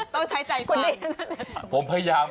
ต้องใช้ใจฟัง